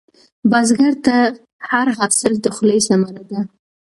بزګر ته هر حاصل د خولې ثمره ده